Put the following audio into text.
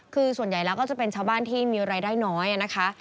คือส่วนใหญ่แล้วก็จะเป็นชาวบ้านที่มีรายได้น้อยนะคะ